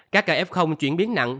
các ca f chuyển biến nặng